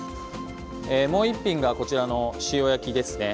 もう一品がこちらの塩焼きですね。